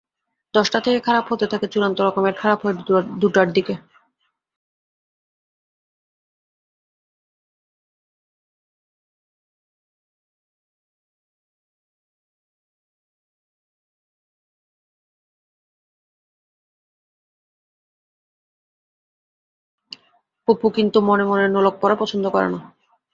অপু কিন্তু মনে মনে নোলক-পরা পছন্দ করে না।